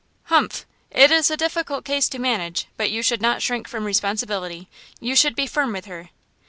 "Humph! it is a difficult case to manage; but you should not shrink from responsibility; you should be firm with her."